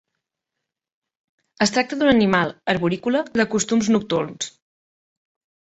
Es tracta d'un animal arborícola de costums nocturns.